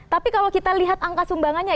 tapi kalau kita lihat angka sumbangannya